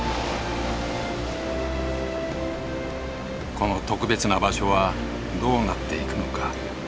この特別な場所はどうなっていくのか。